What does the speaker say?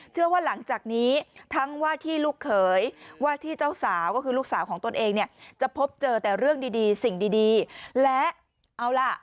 เชื่อว่าหลังจากนี้ทั้งว่าที่ลูกเขยว่าที่เจ้าสาวก็คือลูกสาวของตนเองเนี่ยจะพบเจอแต่เรื่องดีดีสิ่งดีและเอาล่ะ